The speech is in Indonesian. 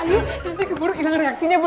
nanti keburu hilang reaksinya